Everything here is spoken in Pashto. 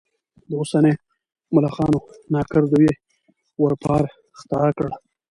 د اوسنيو ملخانو ناکردو یې واروپار ختا کړ.